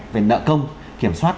về nợ công kiểm soát